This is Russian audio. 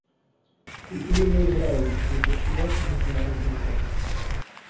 И именно Израиль не подчиняется международной воле.